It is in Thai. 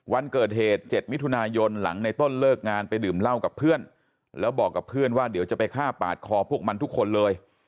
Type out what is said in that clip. วันเกิดเหตุ๗มิถุนายนหลังในต้นเลิกงานไปดื่มเหล้ากับเพื่อนแล้วบอกกับเพื่อนว่าเดี๋ยวจะไปฆ่าปาดคอพวกมันทุกคนเลย